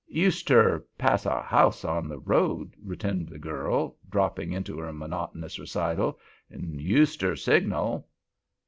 "Useter pass our house on the road," returned the girl, dropping into her monotonous recital, "and useter signal."